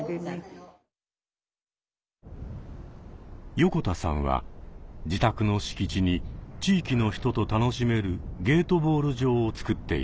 横田さんは自宅の敷地に地域の人と楽しめるゲートボール場をつくっていました。